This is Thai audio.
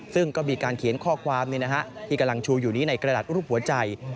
ซึ่งก็มีการเขียนข้อความที่กำลังชูอยู่นี้ในกระดาษรูปหัวใจ